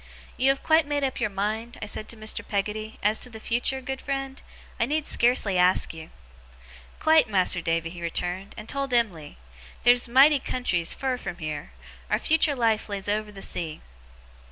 'You have quite made up your mind,' said I to Mr. Peggotty, 'as to the future, good friend? I need scarcely ask you.' 'Quite, Mas'r Davy,' he returned; 'and told Em'ly. Theer's mighty countries, fur from heer. Our future life lays over the sea.